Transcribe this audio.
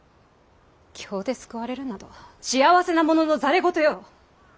経で救われるなど幸せなもののざれ言よ。